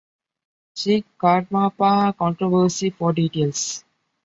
See Karmapa controversy for details.